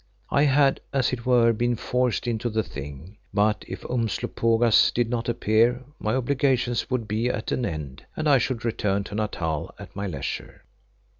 I had, as it were, been forced into the thing, but if Umslopogaas did not appear, my obligations would be at an end and I should return to Natal at my leisure.